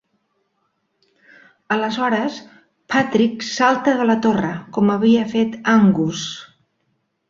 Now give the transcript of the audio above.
Aleshores, Patrick salta de la torre, com havia fet Angus.